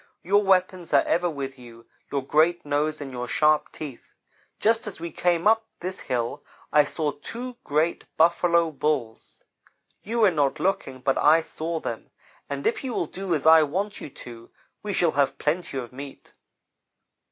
Your weapons are ever with you your great nose and your sharp teeth. Just as we came up this hill I saw two great Buffalo Bulls. You were not looking, but I saw them, and if you will do as I want you to we shall have plenty of meat.